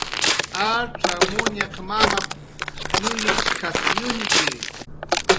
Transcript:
"Acxamuñaq mamap"" ñuñuchkas ñuñki"